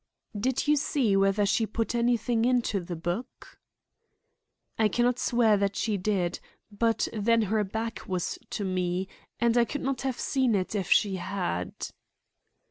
"Did you see whether she put anything into the book?" "I can not swear that she did; but then her back was to me, and I could not have seen it if she had."